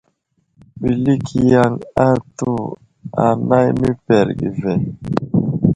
Ɓəlik yaŋ atu anay məpərge ve.